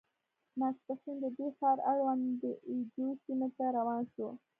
ماسپښین د دې ښار اړوند د اي جو سیمې ته روان شوو.